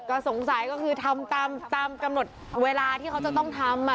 ก็สงสัยก็คือทำตามกำหนดเวลาที่เขาจะต้องทำ